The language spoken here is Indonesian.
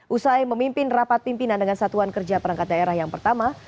usai memimpin rapat pimpinan dengan satuan kerja perangkat daerah yang pertama